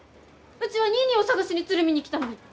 うちはニーニーを捜しに鶴見に来たのに！